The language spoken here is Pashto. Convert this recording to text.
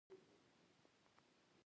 د اقلیم بدلون د کښتونو د تخریب لامل کیږي.